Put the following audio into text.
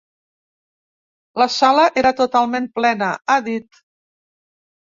La sala era totalment plena, ha dit.